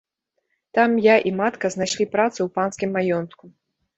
Там я і матка знайшлі працу ў панскім маёнтку.